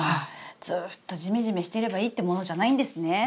ずっとジメジメしてればいいってものじゃないんですね。